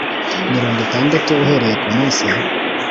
mirongo itandatu uhereye ku munsi